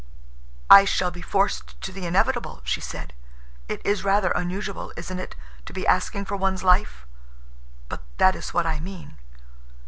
"I shall be forced to the inevitable," she said. "It is rather unusual, isn't it, to be asking for one's life? But that is what I mean."